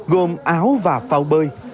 gồm áo và phao bơi